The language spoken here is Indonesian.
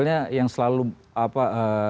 karena itu sebetulnya yang selalu apa